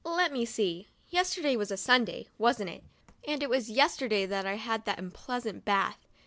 Let me see. Yesterday was Sunday, wasn't it ? and it was yesterday that I had that unpleasant bath.